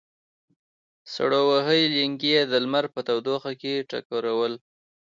سړو وهلي لېنګي یې د لمر په تودوخه کې ټکورول.